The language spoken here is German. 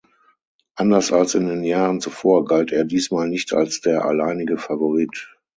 Anders als in den Jahren zuvor galt er diesmal nicht als der alleinige Favorit.